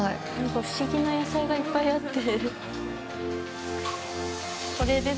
不思議な野菜がいっぱいあって。